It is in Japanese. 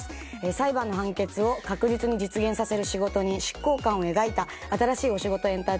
裁判の判決を確実に実現させる仕事人執行官を描いた新しいお仕事エンターテインメントです。